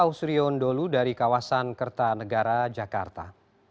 ausrion dholu dari kawasan kertanegara jakarta